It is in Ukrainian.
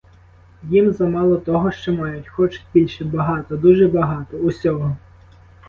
Їм замало того, що мають, хочуть більше, багато, дуже багато, — усього!